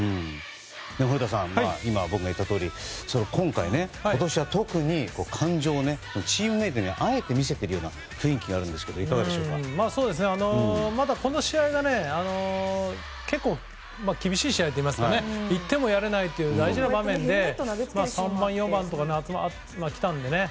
古田さん、僕が言ったとおり今回、今年は特に感情をチームメートにあえて見せているようなまた、この試合が結構、厳しい試合といいますか１点もやれないという大事な場面で３番、４番とかきたのでね。